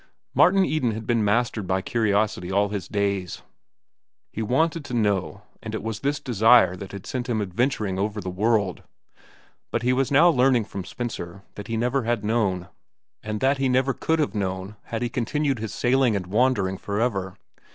Martin Eden had been mastered by curiosity all his days. He wanted to know, and it was this desire that had sent him adventuring over the world. But he was now learning from Spencer that he never had known, and that he never could have known had he continued his sailing and wandering forever.